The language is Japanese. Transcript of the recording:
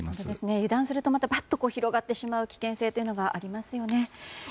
油断すると広がってしまう危険性がありますよね。